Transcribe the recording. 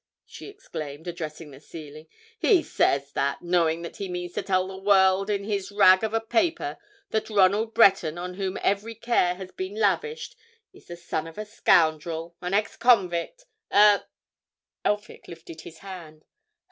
she exclaimed, addressing the ceiling. "He says that, knowing that he means to tell the world in his rag of a paper that Ronald Breton, on whom every care has been lavished, is the son of a scoundrel, an ex convict, a——" Elphick lifted his hand.